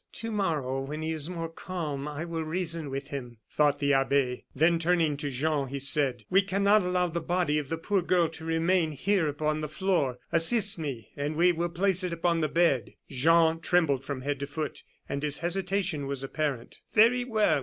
"To morrow, when he is more calm, I will reason with him," thought the abbe; then, turning to Jean, he said: "We cannot allow the body of the poor girl to remain here upon the floor. Assist me, and we will place it upon the bed." Jean trembled from head to foot, and his hesitation was apparent. "Very well!"